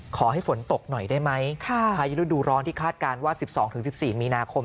ขอให้ฝนตกหน่อยได้ไหมค่ะใครฤดูร้อนที่คาดการณ์ว่าสิบสองถึงสิบสี่มีนาคม